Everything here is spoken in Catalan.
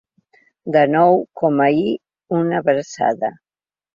De nou, com ahir, una abraçada.